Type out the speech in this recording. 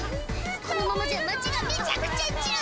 このままじゃ街がめちゃくちゃチュン。